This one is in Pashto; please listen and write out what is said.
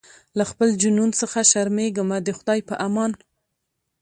له خپل جنون څخه شرمېږمه د خدای په امان